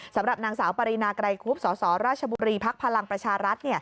สำหรับนางสาวปรินาไกรกุ๊บสรบพลังประชารัฐ